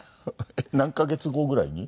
何カ月後ぐらいに？